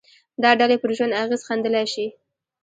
دا ډلې پر ژوند اغېز ښندلای شي